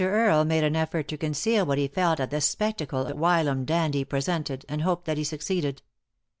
Earle made an effort to conceal what he felt at the spectacle the whilom dandy presented, and hoped that he succeeded.